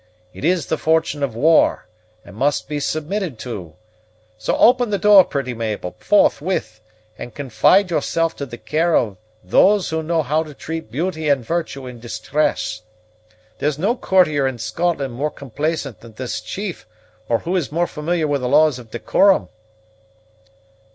It is the fortune of war, and must be submitted to; so open the door, pretty Mabel, forthwith, and confide yourself to the care of those who know how to treat beauty and virtue in distress. There's no courtier in Scotland more complaisant than this chief, or who is more familiar with the laws of decorum."